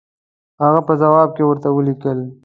هغه په جواب کې ورته ولیکل.